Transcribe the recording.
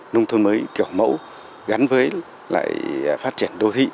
nông thôn mới kiểu mẫu gắn với lại phát triển đô thị